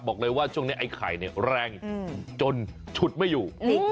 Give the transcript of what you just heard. บอกเลยว่าช่วงนี้ไอ้ไข่เนี่ยแรงจนฉุดไม่อยู่